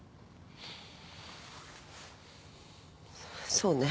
そうね。